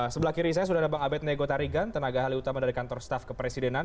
sebelah kiri saya sudah ada bang abed nego tarigan tenaga ahli utama dari kantor staf kepresidenan